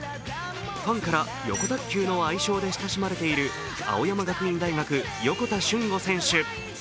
ファンから、よこたっきゅうの愛称で親しまれている青山学院大学・横田俊吾選手。